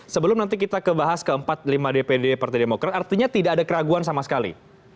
sebelum nanti kita kebahas ke empat puluh lima dpd partai demokrat artinya tidak ada keraguan sama sekali